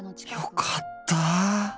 よかったァ。